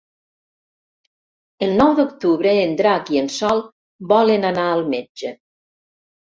El nou d'octubre en Drac i en Sol volen anar al metge.